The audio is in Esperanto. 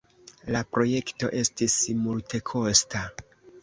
La projekto estis multekosta.